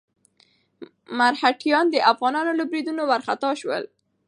مرهټیان د افغانانو له بريدونو وارخطا شول.